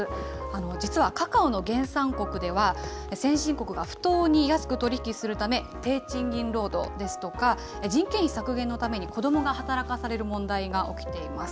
実はカカオの原産国では、先進国が不当に安く取り引きするため、低賃金労働ですとか、人件費削減のために子どもが働かされる問題が起きています。